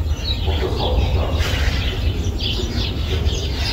Auch das Hauptstaatsarchiv befindet sich im Regierungsviertel.